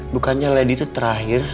bukannya lady tuh terakhir